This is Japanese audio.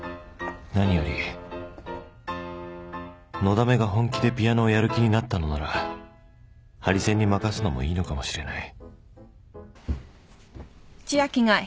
だめが本気でピアノをやる気になったのならハリセンに任すのもいいのかもしれない